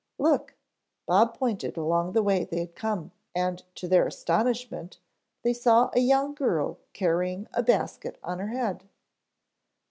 "Look," Bob pointed along the way they had come and to their astonishment they saw a young girl carrying a basket on her head.